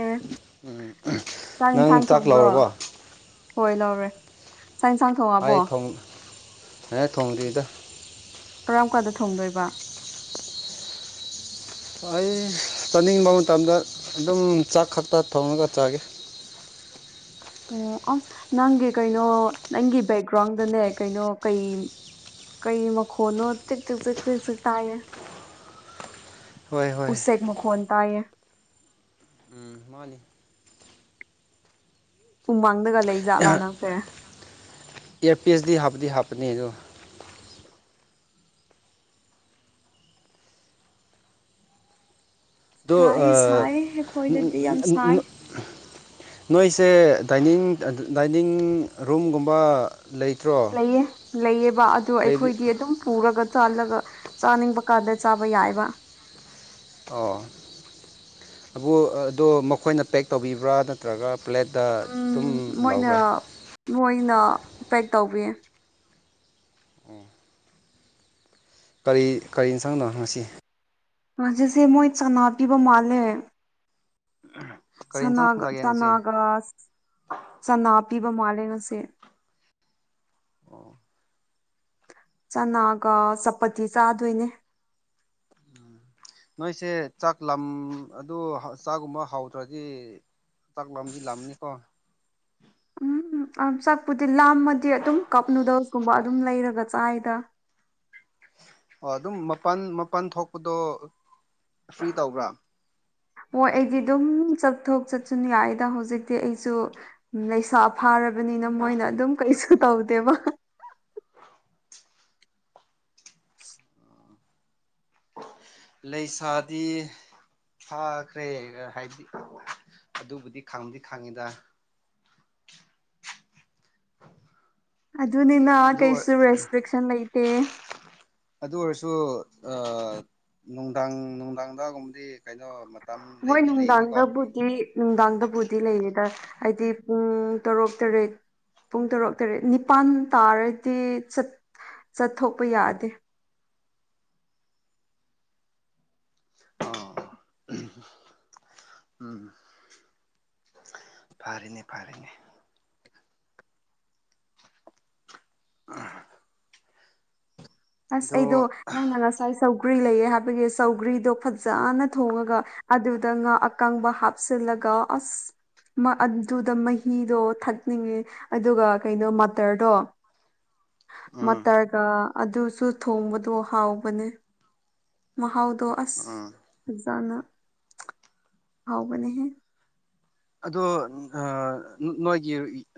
ꯑꯦ ꯆꯥꯛ ꯅꯪ ꯏꯟꯁꯥꯡ ꯊꯣꯡꯕ꯭ꯔꯣ ꯂꯧꯔꯕꯣ ꯍꯣꯏ ꯂꯧꯔꯦ ꯆꯥꯛ ꯌꯦꯟꯁꯥꯡ ꯊꯣꯡꯉꯕꯣ ꯑꯩ ꯊꯣꯡ ꯐꯖꯟꯅ ꯊꯣꯡꯗ꯭ꯔꯤꯗ ꯀꯔꯝ ꯀꯥꯟꯗ ꯊꯣꯡꯗꯣꯏꯕ ꯑꯩ ꯆꯥꯅꯤꯡꯕ ꯃꯇꯝꯗ ꯑꯗꯨꯝ ꯆꯥꯛ ꯈꯛꯇ ꯊꯣꯡꯔꯒ ꯆꯥꯒꯦ [inaudible] ꯑꯣ ꯑꯁ ꯅꯪꯒꯤ ꯀꯩꯅꯣ ꯅꯪꯒꯤ ꯕꯦꯛꯒ꯭ꯔꯥꯎꯟꯗꯅꯦ ꯀꯩꯅꯣ ꯀꯩ ꯀꯩ ꯃꯈꯣꯟꯅꯣ ꯆꯤꯛ ꯆꯤꯛ ꯆꯤꯛ ꯆꯤꯛ ꯇꯥꯏꯌꯦ ꯍꯣꯏ ꯍꯣꯏ ꯎꯁꯦꯛ ꯃꯈꯣꯟ ꯇꯥꯏꯌꯦ ꯎꯝ ꯃꯥꯅꯤ ꯎꯃꯪꯗꯒ ꯂꯩ ꯖꯥꯠꯂꯥ ꯅꯪꯁꯦ ꯏꯌꯥꯔꯄꯤꯁꯇꯤ ꯍꯥꯞꯄꯗꯤ ꯍꯥꯞꯄꯅꯦ ꯑꯗꯣ ꯑꯗꯨ ꯁꯥꯏ ꯑꯥ ꯁꯥꯏ ꯑꯩꯈꯣꯏꯗꯗꯤ ꯌꯥꯝ ꯁꯥꯏ ꯅꯣꯏꯁꯦ ꯗꯥꯏꯅꯤꯡ ꯗꯥꯏꯅꯤꯡ ꯔꯨꯝꯒꯨꯝꯕ ꯂꯩꯇ꯭ꯔꯣ ꯂꯩꯌꯦ ꯂꯩꯌꯦꯕ ꯑꯗꯨ ꯂꯩꯕꯤ ꯑꯩꯈꯣꯏꯗꯤ ꯑꯗꯨꯝ ꯄꯨꯔꯒ ꯆꯥꯜꯂꯒ ꯆꯥꯅꯤꯡꯕ ꯀꯥꯟꯗ ꯆꯥꯕ ꯌꯥꯏꯕ ꯑꯣ ꯑꯕꯨ ꯑꯗꯣ ꯃꯈꯣꯏꯅ ꯄꯦꯛ ꯇꯧꯕꯤꯕ꯭ꯔꯥ ꯅꯠꯇ꯭ꯔꯒ ꯄ꯭ꯂꯦꯠꯇ ꯑꯗꯨꯝ ꯎꯝ ꯃꯣꯏꯅ ꯂꯧꯕ꯭ꯔꯥ ꯃꯣꯏꯅ ꯄꯦꯛ ꯇꯧꯕꯤꯌꯦ ꯀꯔꯤ ꯀꯔꯤ ꯏꯟꯁꯥꯡꯅꯣ ꯉꯁꯤ ꯉꯁꯤꯁꯦ ꯃꯣꯏ ꯆꯟꯅ ꯄꯤꯕ ꯃꯥꯜꯂꯦ ꯀꯔꯤ ꯌꯦꯟꯁꯥꯡ ꯁꯅꯥꯒ ꯆꯥꯒꯦ ꯉꯁꯤ ꯆꯥꯅꯥꯒ ꯆꯅꯥ ꯄꯤꯕ ꯃꯥꯂꯦ ꯉꯁꯤ ꯑꯣ ꯆꯅꯥꯒ ꯆꯄꯇꯤ ꯆꯥꯗꯣꯏꯅꯦ ꯅꯣꯏꯁꯦ ꯆꯥꯛ ꯂꯝ ꯑꯗꯨ ꯆꯥꯛꯒꯨꯝꯕ ꯍꯧꯇ꯭ꯔꯗꯤ ꯆꯥꯛ ꯂꯥꯝꯗꯤ ꯂꯥꯝꯅꯤꯀꯣ ꯎꯝ ꯑꯝ ꯆꯥꯛꯄꯨꯗꯤ ꯂꯥꯝꯃꯗꯤ ꯑꯗꯨꯝ ꯀꯞ ꯅꯨꯗꯜꯁꯀꯨꯝꯕ ꯑꯗꯨꯝ ꯂꯩꯔꯒ ꯆꯥꯏꯗ ꯑꯣ ꯑꯗꯨꯝ ꯃꯄꯥꯟ ꯃꯄꯥꯟ ꯊꯣꯛꯄꯗꯣ ꯐ꯭ꯔꯤ ꯇꯧꯕ꯭ꯔꯥ ꯍꯣꯏ ꯑꯩꯗꯤ ꯑꯗꯨꯝ ꯆꯠꯊꯣꯛ ꯆꯠꯁꯨꯟ ꯌꯥꯏꯗ ꯍꯧꯖꯤꯛꯇꯤ ꯑꯩꯁꯨ ꯂꯩꯁꯥ ꯐꯥꯔꯛ ꯕꯅꯤꯅ ꯃꯣꯏꯅ ꯑꯗꯨꯝ ꯀꯩꯁꯨ ꯇꯧꯗꯦꯕ [inaudible] ꯂꯩꯁꯥꯗꯤ ꯐꯥꯈ꯭ꯔꯦ ꯍꯥꯏꯗꯤ ꯑꯗꯨꯕꯨꯗꯤ ꯈꯪꯗꯤ ꯈꯪꯉꯤꯗ ꯑꯗꯨꯅꯤꯅ ꯑꯗꯨ ꯀꯩꯁꯨ ꯔꯦꯁꯇ꯭ꯔꯤꯛꯁꯟ ꯂꯩꯇꯦ ꯑꯗꯨ ꯑꯣꯏꯔꯁꯨ ꯅꯨꯡꯗꯥꯡ ꯅꯨꯡꯗꯥꯡꯗꯥꯒꯨꯝꯕꯗꯤ ꯀꯩꯅꯣ ꯃꯇꯝ ꯃꯣꯏ ꯂꯩꯕꯗꯤ ꯂꯩꯅꯤꯀꯣ ꯅꯨꯡꯗꯥꯡꯗꯕꯨꯗꯤ ꯅꯨꯡꯗꯥꯡꯗꯕꯨꯗꯤ ꯂꯩꯔꯤꯗ ꯍꯥꯏꯗꯤ ꯄꯨꯡ ꯇꯔꯨꯛ ꯇꯔꯦꯠ ꯄꯨꯡ ꯇꯔꯨꯛ ꯇꯔꯦꯠ ꯅꯤꯄꯥꯟ ꯇꯥꯔꯗꯤ ꯆꯠ ꯆꯠꯊꯣꯛꯄ ꯌꯥꯗꯦ ꯑꯣ ꯎꯝ ꯐꯔꯦꯅꯦ ꯐꯔꯦꯅꯦ ꯎꯝ ꯑꯁ ꯑꯩꯗꯣ ꯅꯪꯅ ꯉꯁꯥꯏ ꯁꯧꯒ꯭ꯔꯤ ꯂꯩꯑꯦ ꯍꯥꯏꯕꯒꯤ ꯁꯧꯒ꯭ꯔꯤꯗꯣ ꯐꯖꯅ ꯊꯣꯡꯉꯒ ꯑꯗꯨꯗ ꯉꯥ ꯑꯀꯪꯕ ꯍꯥꯞꯆꯜ ꯂꯒ ꯑꯁ ꯑꯗꯨꯗ ꯃꯍꯤꯗꯣ ꯊꯛꯅꯤꯡꯉꯦ ꯑꯗꯨꯒ ꯀꯩꯅꯣ ꯃꯇꯔꯗꯣ ꯎꯝ ꯃꯇꯔꯒ ꯑꯗꯨ ꯁꯨ ꯊꯣꯡꯕꯗꯣ ꯍꯥꯎꯕꯅꯦ ꯃꯍꯥꯎꯗꯣ ꯑꯁ ꯎꯝ ꯆꯥꯅ ꯍꯥꯎꯕꯅꯦꯍꯦ ꯑꯗꯣ ꯑꯥ ꯅꯣꯏꯒꯤ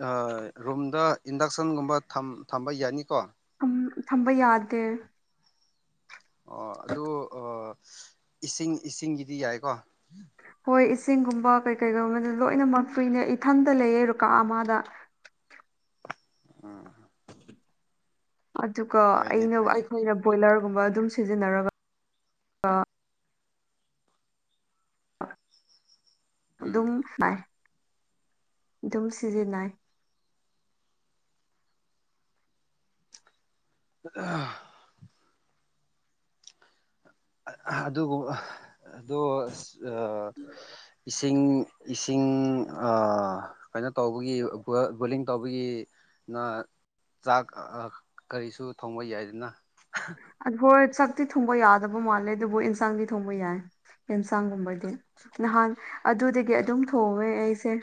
ꯑꯥ ꯔꯨꯝꯗ ꯏꯟꯗꯛꯁꯟꯒꯨꯝꯕ ꯊꯝ ꯊꯝꯕ ꯌꯥꯅꯤꯀꯣ ꯎꯝ ꯊꯝꯕ ꯌꯥꯗꯦ ꯑꯣ ꯑꯗꯨꯩ ꯑꯥ ꯏꯁꯤꯡ ꯏꯁꯤꯡꯒꯤꯗꯤ ꯌꯥꯏꯀꯣ ꯑꯩꯈꯣꯏ ꯏꯁꯤꯡꯒꯨꯝꯕ ꯀꯩ ꯀꯩꯒꯨꯝꯕꯗ ꯂꯣꯏꯅꯃꯛ ꯐ꯭ꯔꯤꯅꯦ ꯏꯊꯟꯇ ꯂꯩꯌꯦ ꯔꯨ ꯀꯥ ꯑꯃꯗ [unintelligible] ꯎꯝ ꯑꯗꯨꯒ ꯐꯩꯅꯦ ꯑꯩꯅ ꯐꯩꯅꯦ ꯑꯩꯈꯣꯏꯅ ꯕꯣꯏꯂꯔꯒꯨꯝꯕ ꯑꯗꯨꯝ ꯁꯤꯖꯤꯟꯅꯔꯒ ꯑꯗꯨꯒ ꯑꯗꯨ ꯎꯝ ꯝꯥꯏ ꯑꯗꯨꯝ ꯁꯤꯖꯤꯟꯅꯩ ꯑꯥ ꯑꯗꯨꯕꯨ ꯑꯥ ꯑꯗꯣ ꯑꯁ ꯑꯥ ꯏꯁꯤꯡ ꯏꯁꯤꯡ ꯀꯩꯅꯣ ꯇꯧꯕꯒꯤ ꯕꯣꯂꯤꯡ ꯇꯧꯕꯒꯤ ꯅ ꯆꯥꯛ ꯀꯔꯤꯁꯨ ꯊꯣꯡꯕ ꯌꯥꯏꯗꯅ ꯑꯩꯈꯣꯢ ꯆꯥꯛꯇꯤ ꯊꯣꯡꯕ ꯌꯥ ꯗꯕ ꯃꯥꯜꯂꯦ ꯑꯗꯨꯕꯨ ꯑꯦꯟꯁꯥꯡꯗꯤ ꯊꯣꯡꯕ ꯌꯥꯏ ꯌꯦꯟꯁꯥꯡꯒꯨꯝꯕꯗꯤ ꯅꯍꯥꯟ ꯑꯗꯨꯗꯒꯤ ꯑꯗꯨꯝ ꯊꯣꯡꯑꯦ ꯑꯩꯁꯦ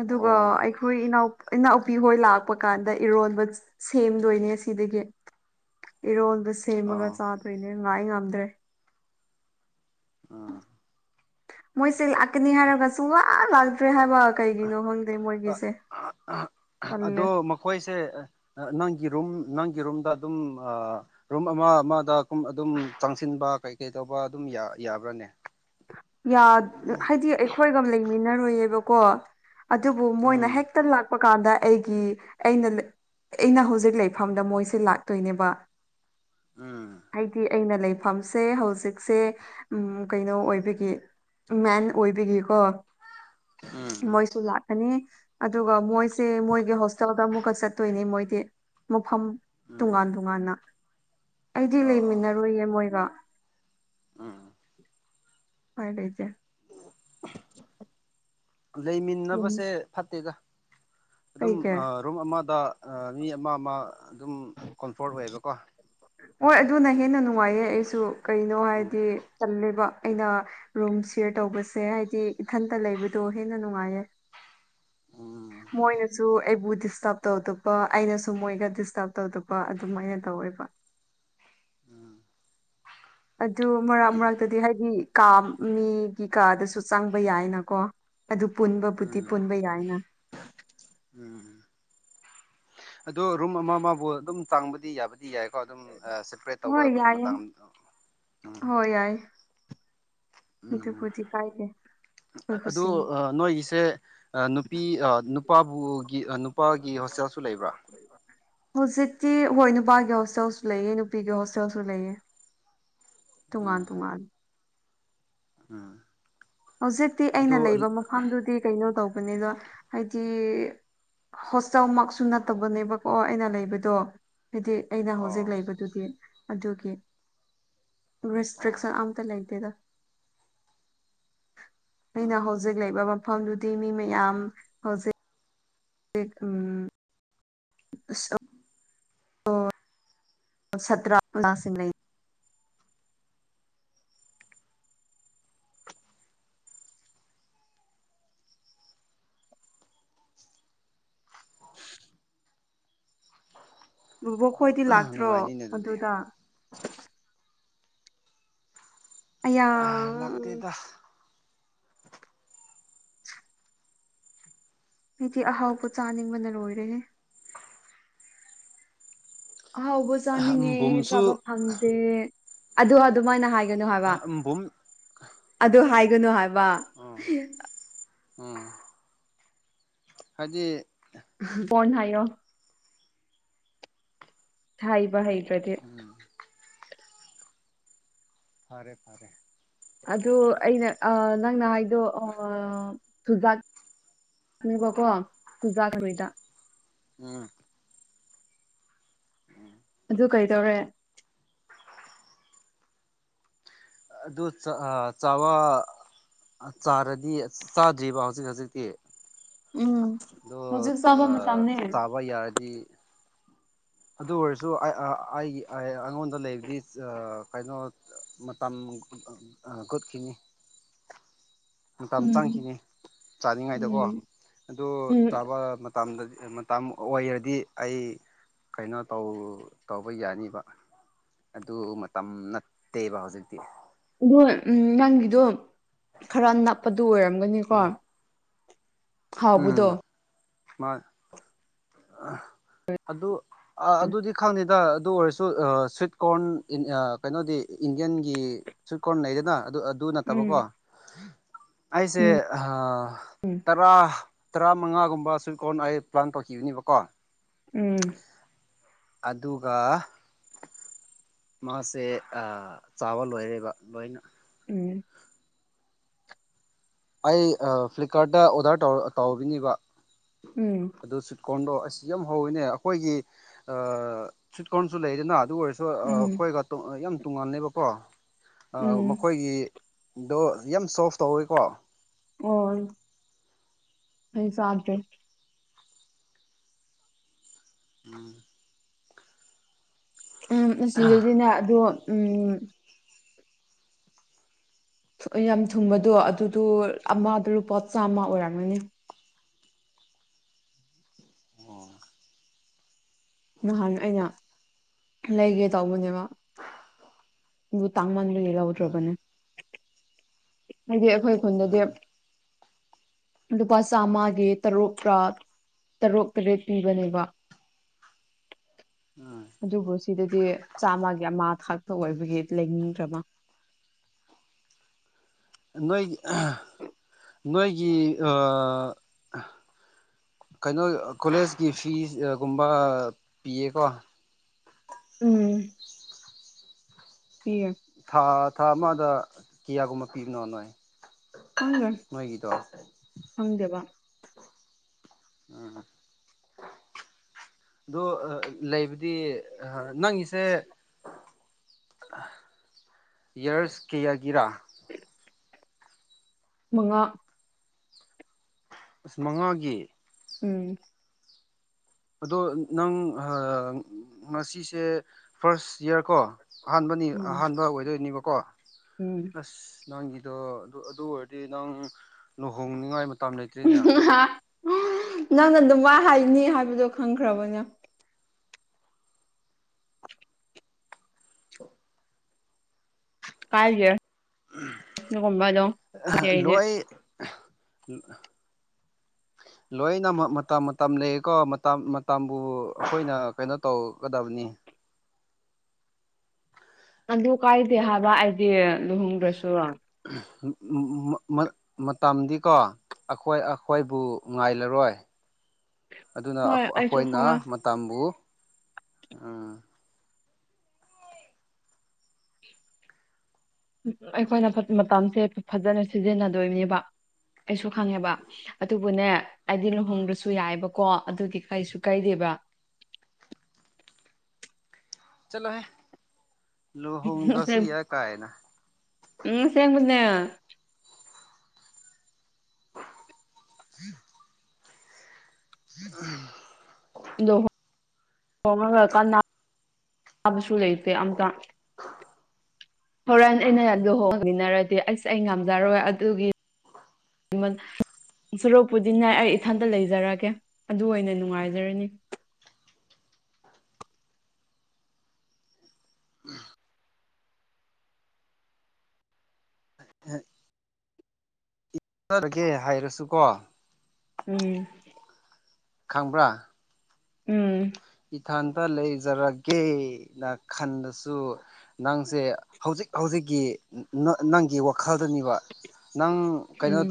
ꯑꯗꯨꯒ ꯑꯣ ꯑꯩꯈꯣꯏ ꯏꯅꯥꯎ ꯏꯅꯥꯎꯄꯤ ꯍꯣꯏ ꯂꯥꯛꯄ ꯀꯥꯟꯗ ꯏꯔꯣꯟꯕ ꯁꯦꯝꯗꯣꯏꯅꯦ ꯁꯤꯗꯒꯤ ꯏꯔꯣꯜꯗꯨ ꯑ ꯁꯦꯝꯃꯒ ꯆꯥꯗꯣꯏꯅꯦ ꯉꯥꯏ ꯉꯝꯗ꯭ꯔꯦ ꯑꯥ ꯃꯣꯏ ꯁꯤ ꯂꯥꯀꯅꯤ ꯍꯥꯢꯔꯒ ꯁꯨꯛꯂꯥꯛ ꯂꯥꯛ ꯇ꯭ꯔꯦ ꯍꯥꯏꯕ ꯀꯩꯒꯤꯅꯣ ꯈꯪꯗꯦ ꯃꯣꯏꯒꯤꯁꯦ ꯇꯜꯂꯦ ꯑꯗꯣ ꯃꯈꯣꯏꯁꯦ ꯅꯪ ꯔꯨꯝ ꯅꯪꯒꯤ ꯔꯨꯝꯗ ꯔꯨꯝ ꯑꯃ ꯑꯃꯗ ꯑꯗꯨꯝ ꯑꯗꯨꯝ ꯆꯪꯁꯤꯟꯕ ꯇꯧꯕ ꯑꯗꯨꯝ ꯌꯥ ꯌꯥꯕ꯭ꯔꯥꯅꯦ ꯌꯥ ꯀꯣ ꯑꯗꯨꯕꯨ ꯃꯣꯏꯅ ꯎꯝ ꯍꯦꯛꯇ ꯂꯥꯛꯄ ꯀꯥꯟꯗ ꯑꯩꯒꯤ ꯑꯩꯅ ꯑꯩꯅ ꯍꯧꯖꯤꯛ ꯂꯩꯐꯝꯗ ꯃꯣꯏꯁꯦ ꯂꯥꯛꯇꯣꯏꯅꯦꯕ ꯎꯝ ꯍꯥꯏꯗꯤ ꯑꯩꯅ ꯂꯩꯐꯝꯁꯦ ꯍꯧꯖꯤꯛꯁꯦ ꯎꯝ ꯀꯩꯅꯣ ꯑꯣꯏꯕ ꯒꯤ ꯃꯦꯟ ꯑꯣꯏꯕꯤꯒꯤꯀꯣ ꯎꯝ ꯎꯝ ꯃꯣꯏꯁꯨ ꯂꯥꯛ ꯅꯤ ꯑꯗꯨꯒ ꯃꯣꯏꯁꯦ ꯃꯣꯏꯒꯤ ꯍꯣꯁꯇꯦꯜꯗ ꯑꯃꯨꯛꯀ ꯆꯠꯇꯣꯏꯅꯤ ꯃꯣꯏꯗꯤ ꯃꯐꯝ ꯎꯝ ꯇꯨꯉꯥꯟ ꯇꯨꯉꯥꯟꯅ ꯑꯩꯗꯤ ꯑꯣ ꯑꯣ ꯂꯩꯃꯤꯟꯅꯔꯣꯏꯌꯦ ꯃꯣꯏꯒ ꯎꯝ ꯎꯄꯥꯏ ꯂꯩꯩꯇꯦ ꯑꯗꯨꯝ ꯂꯩꯃꯤꯟꯅꯕꯁꯦ ꯐꯠꯇꯦꯗ ꯑꯗꯨꯝ ꯂꯩꯒꯦ ꯑꯥ ꯔꯨꯝ ꯑꯃꯗ ꯑꯥ ꯃꯤ ꯑꯃ ꯑꯃ ꯑꯗꯨꯝ ꯀꯣꯟꯐꯣꯔꯠ ꯑꯣꯏꯌꯦꯕꯀꯣ ꯍꯣꯏ ꯑꯗꯨꯅ ꯍꯦꯟꯅ ꯅꯨꯡꯉꯥꯏꯌꯦ ꯑꯩꯁꯨ ꯀꯩꯅꯣ ꯎꯝ ꯍꯥꯏꯗꯤ ꯇꯜꯂꯦꯕ ꯑꯩꯅ ꯔꯨꯝꯁꯤ ꯁꯤꯌꯔ ꯇꯧꯕꯁꯦ ꯍꯥꯏꯗꯤ ꯏꯊꯟꯇ ꯂꯩꯕꯗꯣ ꯍꯦꯟꯅ ꯅꯨꯡꯉꯥꯏꯌꯦ ꯎꯝ ꯃꯣꯏꯅꯁꯨ ꯑꯩꯕꯨ ꯗꯤꯁꯇꯔꯕ ꯇꯧꯗꯄ ꯑꯩꯅꯁꯨ ꯃꯣꯏꯗ ꯗꯤꯁꯇꯔꯕ ꯇꯧꯗꯄ ꯑꯗꯨꯃꯥꯏꯅ ꯇꯧꯋꯦꯕ ꯎꯝ ꯑꯗꯨ ꯃꯔꯛ ꯃꯔꯛꯇꯗꯤ ꯍꯥꯏꯗꯤ ꯀꯥ ꯃꯤꯒꯤ ꯀꯥꯗꯁꯨ ꯆꯪꯕ ꯌꯥꯏꯅꯀꯣ ꯑꯗꯨ ꯄꯨꯟꯕꯕꯨꯗꯤ ꯎꯝ ꯄꯨꯟꯕ ꯌꯥꯏꯅ ꯎꯝ ꯑꯗꯣ ꯔꯨꯝ ꯑꯃ ꯑꯃꯕꯨ ꯑꯗꯨꯝ ꯆꯥꯡꯕꯗꯤ ꯌꯥꯕ ꯑꯗꯨꯗꯤ ꯌꯥꯏꯀꯣ ꯑꯗꯨꯝ ꯑꯥ ꯁꯄꯔꯦꯠ ꯇꯧꯕ ꯍꯣꯏ ꯌꯥꯏꯌꯦ ꯃꯇꯥꯡ ꯎꯝ ꯍꯣꯏ ꯌꯥꯏ ꯎꯝ ꯑꯗꯨꯕꯨꯗꯤ ꯀꯥꯏꯗꯦ ꯑꯩꯈꯣꯏ ꯑꯗꯨ ꯈꯨꯁꯤꯅꯤ ꯑꯥ ꯅꯣꯏꯒꯤꯁꯦ ꯑꯥ ꯅꯨꯄꯤ ꯑꯥ ꯅꯨꯄꯥꯕꯨꯒꯤ ꯑꯥ ꯅꯨꯄꯥꯒꯤ ꯍꯣꯁꯇꯦꯜꯁꯨ ꯂꯩꯕ꯭ꯔ ꯍꯧꯖꯤꯛꯇꯤ ꯍꯣꯏ ꯅꯨꯄꯥꯒꯤ ꯍꯣꯁꯇꯦꯜꯁꯨ ꯂꯩꯌꯦ ꯅꯨꯄꯤꯒꯤ ꯍꯣꯁꯇꯦꯜꯁꯨ ꯂꯩꯌꯦ ꯇꯨꯉꯥꯟ ꯎꯝ ꯇꯨꯉꯥꯟꯅ ꯎꯝ ꯍꯧꯖꯤꯛꯇꯤ ꯑꯗꯨ ꯑꯩꯅ ꯂꯩꯕ ꯃꯐꯝꯗꯨꯗꯤ ꯀꯩꯅꯣ ꯇꯧꯕꯅꯤꯗꯣ ꯍꯥꯏꯗꯤ ꯍꯣꯁꯇꯦꯜꯃꯛꯁꯨ ꯅꯠꯇꯕꯅꯦꯕꯀꯣ ꯑꯩꯅ ꯂꯩꯕꯗꯣ ꯍꯥꯏꯗꯤ ꯑꯩꯅ ꯍꯧꯖꯤꯛ ꯑꯣ ꯂꯩꯕꯗꯨꯗꯤ ꯑꯗꯨꯒꯤ ꯑꯣ ꯔꯦꯁꯇ꯭ꯔꯤꯛꯁꯟ ꯑꯝꯇ ꯂꯩꯇꯦꯗ ꯑꯩꯅ ꯎꯝ ꯍꯧꯖꯤꯛ ꯂꯩꯕ ꯃꯐꯝꯗꯨꯗꯤ ꯃꯤ ꯃꯌꯥꯝ ꯍꯧꯖꯤꯛ ꯑꯦꯛ ꯎꯝ ꯑꯁ [unintelligible] ꯕꯨꯕꯣꯛ ꯑꯣ ꯈꯣꯏꯗꯤ ꯂꯥꯛꯇ꯭ꯔꯣ ꯅꯨꯡꯉꯥꯏꯅꯤꯅꯦ ꯑꯗꯨꯗꯤ ꯑꯗꯨꯗ ꯑꯌꯥ ꯂꯥꯛꯇꯦꯗ [inaudible] ꯎꯇꯤ ꯑꯍꯥꯎꯕ ꯆꯥꯅꯤꯡꯕꯅ ꯂꯣꯏꯔꯦꯍꯦ ꯑꯍꯥꯎꯕ ꯆꯥꯅꯤꯡꯉꯦ ꯆꯥꯕ ꯕꯨꯝꯁꯨ ꯐꯪꯗꯦ ꯑꯗꯣ ꯑꯗꯨꯃꯥꯏꯅ ꯍꯥꯏ ꯒꯅꯣ ꯍꯥꯏꯕ ꯕꯨꯝ ꯑꯗꯨ ꯍꯥꯏꯒꯅꯨ ꯍꯥꯏꯕ ꯎꯝ ꯎꯝ ꯍꯥꯏꯗꯤ ꯐꯣꯟ ꯍꯥꯏꯌꯣ ꯍꯥꯏꯕ ꯍꯩꯇ꯭ꯔꯗꯤ ꯎꯝ ꯐꯔꯦ ꯐꯔꯦ ꯑꯗꯨ ꯑꯩꯅ ꯑꯥ ꯅꯪꯅ ꯍꯥꯏꯗꯣ ꯑꯥ ꯆꯨꯖꯥꯛ ꯄꯤꯕꯀꯣ ꯆꯨꯖꯥꯛ [unintelligible] ꯎꯝ ꯑꯗꯨ ꯀꯩꯇꯧꯔꯦ ꯑꯗꯨ ꯆꯥ ꯑꯥ ꯆꯥꯕ ꯆꯥꯔꯗꯤ ꯆꯥꯗ꯭ꯔꯤꯕꯣ ꯍꯧꯖꯤꯛ ꯍꯧꯖꯤꯛꯇꯤ ꯎꯝ ꯑꯗꯣ ꯍꯧꯖꯤꯛ ꯆꯥꯕ ꯑꯥ ꯃꯇꯝꯅꯦ ꯆꯥꯕ ꯌꯥꯔꯗꯤ ꯑꯗꯨ ꯑꯣꯏꯔꯁꯨ ꯑꯩ ꯑꯥ ꯑꯩꯒꯤ ꯑꯌꯦ ꯑꯩꯉꯣꯟꯗ ꯂꯩꯕꯗꯤ ꯆ ꯀꯩꯅꯣ ꯃꯇꯝ ꯀꯨꯠꯈꯤꯅꯤ [inaudible] ꯃꯇꯝ ꯆꯪꯈꯤꯅꯤ ꯆꯥꯅꯤꯡꯉꯥꯏꯗꯀꯣ ꯎꯝ ꯑꯗꯨ ꯎꯝ ꯆꯥꯕ ꯃꯇꯝꯗꯗꯤ ꯃꯇꯝ ꯑꯣꯏꯔꯗꯤ ꯑꯩ ꯀꯩꯅꯣ ꯇꯧ ꯇꯧꯕ ꯌꯥꯅꯤꯕ ꯑꯗꯨ ꯃꯇꯝ ꯅꯠꯇꯦꯕ ꯍꯧꯖꯤꯛꯇꯤ ꯑꯗꯣ ꯎꯝ ꯅꯪꯒꯤꯗꯣ ꯈꯔ ꯅꯞꯄꯗꯨ ꯑꯣꯏꯔꯝꯒꯅꯤꯀꯣ ꯎꯝ ꯍꯥꯎꯕꯗꯣ ꯃꯥꯟ ꯑꯗꯨ ꯑ ꯑꯗꯨꯗꯤ ꯈꯪꯗꯦꯗ ꯑꯗꯨ ꯑꯣꯏꯔꯁꯨ ꯑꯥ ꯁ꯭ꯋꯤꯠ ꯀꯣꯔꯟ ꯏꯟ ꯑ ꯀꯩꯅꯣꯗꯤ ꯏꯟꯗꯤꯌꯟꯒꯤ ꯁ꯭ꯋꯤꯠ ꯀꯣꯔꯟ ꯂꯩꯗꯅ ꯑꯗꯨ ꯑ ꯑꯗꯨ ꯅꯠꯇꯕ ꯀꯣ ꯎꯝ ꯑꯩꯁꯦ ꯑꯍꯥ ꯇꯔꯥ ꯇꯔꯥ ꯃꯉꯥꯒꯨꯝꯕ ꯁꯨꯏꯠ ꯀꯣꯟ ꯑꯩ ꯄ꯭ꯂꯥꯟ ꯇꯧꯈꯤꯅꯤꯕꯀꯣ ꯎꯝ ꯑꯗꯨꯒ ꯃꯥꯁꯦ ꯑꯥ ꯆꯥꯕ ꯂꯣꯏꯔꯦꯕ ꯂꯣꯏꯅ ꯎꯝ ꯑꯩ ꯑꯥ ꯐ꯭ꯂꯤꯞꯀꯥꯔꯠꯇ ꯑꯣꯗꯔ ꯇꯧ ꯇꯧꯒꯅꯤꯕ ꯎꯝ ꯑꯗꯨ ꯁ꯭ꯋꯤꯠ ꯀꯣꯔꯟꯗꯣ ꯑꯁ ꯌꯥꯝ ꯍꯧꯋꯤꯅꯦ ꯑꯩꯈꯣꯏꯒꯤ ꯑꯥ ꯁ꯭ꯋꯤꯠ ꯀꯣꯟꯁꯨ ꯂꯩꯗꯅ ꯑꯗꯨ ꯑꯣꯏꯔꯁꯨ ꯁꯨ ꯎꯝ ꯑꯩꯈꯣꯏꯒ ꯌꯥꯝ ꯇꯣꯉꯥꯂꯦꯕꯀꯣ ꯎꯝ ꯃꯈꯣꯏꯒꯤ ꯑꯗꯣ ꯌꯥꯝ ꯁꯣꯐ ꯇꯧꯋꯤꯀꯣ ꯑꯣ ꯑꯩ ꯆꯥꯗꯔꯤ ꯑꯝ ꯎꯝ ꯑꯁꯤꯗꯗꯤꯅꯦ ꯑꯗꯣ ꯎꯝ ꯌꯥꯝ ꯊꯨꯝꯕꯗꯣ ꯑꯗꯨꯗꯣ ꯑꯃꯗ ꯂꯨꯄꯥ ꯆꯥꯝꯃ ꯑꯣꯏꯔꯝꯒꯅꯤ ꯑꯣ ꯅꯍꯥꯟ ꯑꯩꯅ ꯂꯩꯒꯦ ꯇꯧꯕꯅꯦꯕ ꯗꯨ ꯇꯥꯡꯃꯥꯟ ꯕꯒꯤ ꯎꯝ ꯂꯧꯗ꯭ꯔꯕꯅꯦ ꯍꯥꯏꯗꯤ ꯑꯈꯣꯏ ꯈꯨꯟꯗꯗꯤ ꯎꯝ ꯂꯨꯄꯥ ꯆꯥꯃꯒꯤ ꯇꯔꯨꯛꯀꯥ ꯇꯔꯨꯛ ꯇꯔꯦꯠ ꯄꯤꯕꯅꯦꯕ [inaudible] ꯎꯝ ꯑꯗꯨꯕꯨ ꯁꯤꯗꯗꯤ ꯆꯥꯝꯃꯒꯤ ꯑꯃꯥ ꯈꯛ ꯇ ꯑꯣꯏꯕꯒꯤ ꯂꯩꯅꯤꯡꯗ꯭ꯔꯕ ꯅꯣꯏꯒꯤ ꯅꯣꯏꯒꯤ ꯑ ꯀꯩꯅꯣ ꯀꯣꯂꯦꯖꯀꯤ ꯐꯤꯁꯒꯨꯝꯕ ꯄꯤꯌꯦꯀꯣ ꯎꯝ ꯄꯤꯌꯦ ꯊꯥ ꯊꯥ ꯑꯃꯗ ꯀꯌꯥꯒꯨꯝꯕ ꯄꯤꯕꯅꯣ ꯅꯣꯏ ꯈꯪꯗꯦ ꯅꯣꯏꯒꯤꯗꯣ ꯈꯪꯗꯕ ꯎꯝ ꯗꯣ ꯂꯩꯕꯗꯤ ꯑ ꯅꯪꯒꯤꯁꯦ ꯌꯔꯁ ꯀꯌꯥꯒꯤꯔꯥ ꯃꯉꯥ ꯑꯁ ꯃꯉꯥꯒꯤ ꯎꯝ ꯑꯗꯣ ꯅꯪ ꯍꯥ ꯉꯁꯤꯁꯦ ꯐꯥꯔꯁ ꯏꯌꯥꯔ ꯀꯣ ꯑꯍꯥꯟꯕꯅꯤ ꯎꯝ ꯑꯍꯥꯟꯕ ꯑꯣꯏꯗꯣꯏꯅꯦꯕꯀꯣ ꯑꯁ ꯅꯪꯒꯤꯗꯣ ꯑꯗꯨ ꯑꯗꯨ ꯑꯣꯏꯔꯗꯤ ꯅꯪ ꯂꯨꯍꯣꯡꯅꯤꯉꯥꯏ ꯃꯇꯝ ꯂꯩꯇ꯭ꯔꯤꯅꯦ ꯎꯝ ꯅꯪꯅ ꯑꯗꯨꯝ ꯃꯥ ꯍꯥꯏꯅꯤ ꯍꯥꯏꯕꯗꯣ ꯈꯪꯈ꯭ꯔꯕꯅꯦ ꯀꯥꯏꯒꯦ ꯍꯥꯏꯗꯤ ꯑꯩꯗꯤ ꯂꯣꯏ [inaudible] ꯂꯣꯏꯅ ꯃꯀ ꯃꯇꯝ ꯃꯇꯝ ꯂꯩꯀꯣ ꯃꯇꯝ ꯃꯇꯝꯕꯨ ꯑꯩꯈꯣꯏꯅ ꯀꯩꯅꯣ ꯇꯧꯒꯗꯕꯅꯤ ꯅꯤ ꯑꯗꯨ ꯀꯥꯏꯗꯦ ꯍꯥꯏꯕ ꯑꯩꯗꯤ ꯂꯨꯍꯣꯡꯗ꯭ꯔꯁꯨ ꯃꯇꯝꯗꯤ ꯀꯣ ꯑꯩꯈꯣꯏ ꯑꯩꯈꯣꯏꯕꯨ ꯉꯥꯏꯂꯔꯣꯏ [inaudible] ꯑꯗꯨꯅ ꯍꯣꯏ ꯑꯩꯁꯨ ꯑꯩꯈꯣꯏꯅ ꯈꯪꯉꯦ ꯃꯇꯝꯕꯨ ꯑ ꯑꯩꯈꯣꯏꯅ ꯃꯇꯝꯁꯦ ꯐꯖꯅ ꯁꯤꯖꯤꯟꯅꯗꯣꯏꯅꯦꯕ ꯑꯩꯁꯨ ꯈꯪꯉꯦꯕ ꯑꯗꯨꯕꯨꯅꯦ ꯑꯩꯗꯤ ꯂꯨꯍꯣꯡꯗ꯭ꯔꯁꯨ ꯌꯥꯏꯌꯧꯕꯀꯣ ꯑꯗꯨꯒꯤ ꯀꯩꯁꯨ ꯀꯥꯢꯗꯦꯕ ꯕꯥ ꯆꯠꯂꯣ ꯍꯦ ꯂꯣꯍꯣꯡ ꯗ꯭ꯔꯁꯨ ꯌꯥ ꯀꯥꯏꯅ ꯎꯝ ꯁꯦꯡꯕꯅꯦ [inaudible] [inaudible] ꯂꯣ ꯍꯣꯡꯉꯒ ꯀꯥꯅꯥꯕꯁꯨ ꯂꯩꯇꯦ ꯑꯝꯇ ꯍꯣꯔꯦꯟ ꯑꯩꯅ ꯂꯨꯍꯣꯡꯃꯤꯟꯅꯔꯗꯤ ꯑꯩꯁ ꯑꯩ ꯉꯝꯖꯔꯣꯏ ꯑꯗꯨꯒꯤ [unintelligible] ꯁꯣꯔꯣꯛꯄꯨꯗꯤ ꯑꯩ ꯏꯊꯟꯇ ꯂꯩꯖꯔꯒꯦ ꯑꯗꯨ ꯑꯣꯏꯅ ꯅꯨꯡꯉꯥꯏꯖꯔꯅꯤ [unintelligible] [unintelligible] ꯆꯠꯒꯦ ꯍꯥꯏꯔꯁꯨ ꯀꯣ ꯎꯝ ꯈꯪꯕ꯭ꯔꯥ ꯎꯝ ꯏꯊꯥꯟꯇ ꯂꯩꯖꯔꯒꯦ ꯅ ꯈꯟꯕꯁꯨ ꯅꯪꯁꯦ ꯍꯧꯖꯤꯛ ꯍꯧꯖꯤꯛꯀꯤ ꯅ ꯅꯪꯒꯤ ꯋꯥꯈꯜꯗꯅꯤꯀꯣ ꯅꯪ ꯀꯩꯅꯣ ꯎꯝ ꯇꯧ